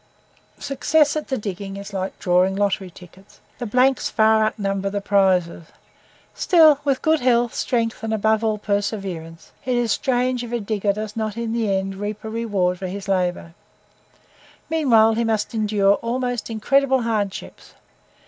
Success at the diggings is like drawing lottery tickets the blanks far outnumber the prizes; still, with good health, strength, and above all perseverance, it is strange if a digger does not in the end reap a reward for his labour. Meanwhile, he must endure almost incredible hardships.